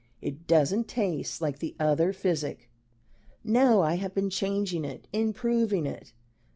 "It doesn't taste like the other physic." "No I have been changing it improving it."